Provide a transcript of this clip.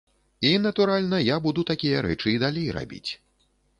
І, натуральна, я буду такія рэчы і далей рабіць.